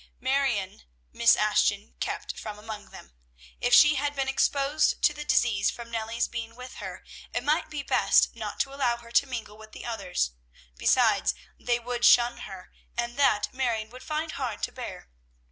Marion, Miss Ashton kept from among them. If she had been exposed to the disease from Nellie's being with her, it might be best not to allow her to mingle with the others; besides, they would shun her, and that Marion would find hard to bear.